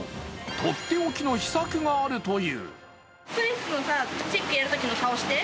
とっておきの秘策があるという。